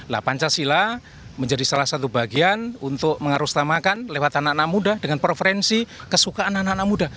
lah pancasila menjadi salah satu bagian untuk mengarustamakan lewat anak anak muda dengan preferensi kesukaan anak anak muda